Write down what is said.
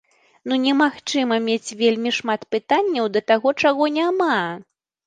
Ну немагчыма мець вельмі шмат пытанняў да таго, чаго няма!